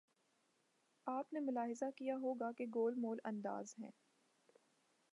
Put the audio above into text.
آپ نے ملاحظہ کیا ہو گا کہ میں گول مول انداز میں